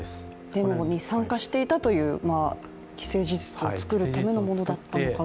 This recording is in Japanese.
デモに参加していたという既成事実を作るためのものだったのか。